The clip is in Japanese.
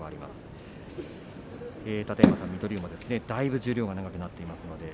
楯山さん、水戸龍だいぶ十両が長くなっています。